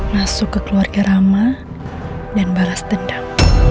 masuk ke keluarga rama dan balas dendam